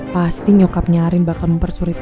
pasti nyokapnya arin bakal mempersurit ibu